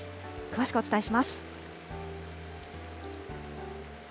詳しくお伝えします。